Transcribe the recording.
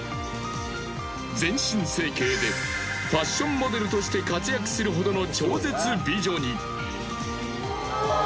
全身整形でファッションモデルとして活躍するほどの超絶美女に。